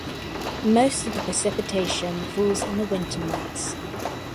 Most of the precipitation falls in the winter months.